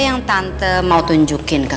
kamu tunggu dulu disini ya